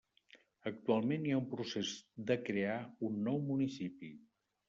Actualment hi ha un procés de crear un nou municipi.